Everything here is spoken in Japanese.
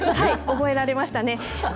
覚えられましたね。